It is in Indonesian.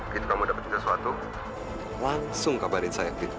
gitu kamu dapetin sesuatu langsung kabarin saya fit